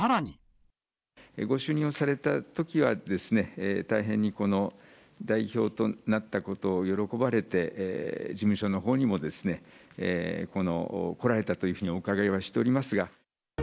ご就任をされたときはですね、大変に代表となったことを喜ばれて、事務所のほうにも来られたというふうにお伺いはしておりますが。